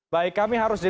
baik kami harus